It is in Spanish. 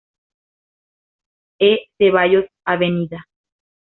E. Zeballos, Av.